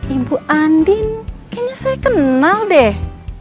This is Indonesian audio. ibu andin kayaknya saya kenal deh